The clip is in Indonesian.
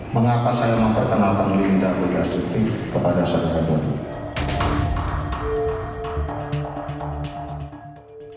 mengapa saya memperkenalkan linda pujastuti kepada saudara bonu